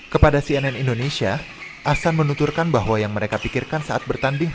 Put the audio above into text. kepada cnn indonesia ahsan menuturkan bahwa yang mereka pikirkan saat bertanding